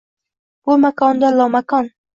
Bu makonda lomakon